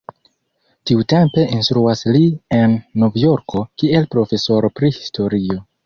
Tiutempe instruas li en Novjorko kiel profesoro pri historio.